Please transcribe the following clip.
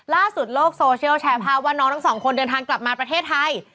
ล่าสุดโลกโซเชียลแชร์ภาพว่าน้องทั้งสองคนเดินทางกลับมาประเทศไทย